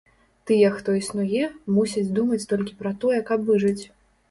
Тыя, хто існуе, мусяць думаць толькі пра тое, каб выжыць.